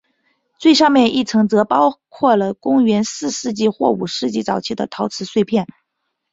最上面一层则包括了公元四世纪或五世纪早期的陶瓷碎片。